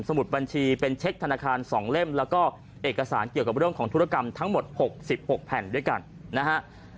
มุดบัญชีเป็นเช็คธนาคาร๒เล่มแล้วก็เอกสารเกี่ยวกับเรื่องของธุรกรรมทั้งหมด๖๖แผ่นด้วยกันนะฮะ